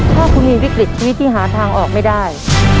ถ้าคุณมีวิกฤตชีวิตที่หาทางออกไม่ได้